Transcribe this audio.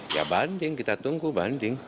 ya banding kita tunggu banding